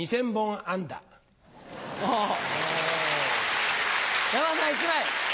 あぁ山田さん１枚。